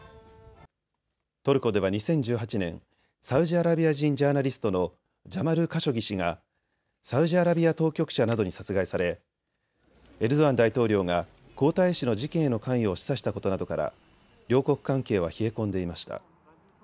トルコでは２０１８年、サウジアラビア人ジャーナリストのジャマル・カショギ氏がサウジアラビア当局者などに殺害されエルドアン大統領が皇太子の事件への関与を示唆したことなどから両国関係は冷え込んでいました。